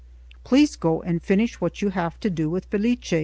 Please go and finish what you have to do with Felice.